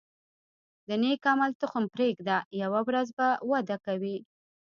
د نیک عمل تخم پرېږده، یوه ورځ به وده کوي.